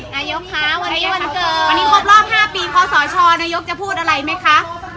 นายกคะวันนี้วันเกิดวันนี้ครบรอบ๕ปีคศนายกจะพูดอะไรไหมคะ